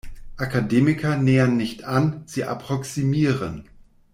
Akademiker nähern nicht an, sie approximieren.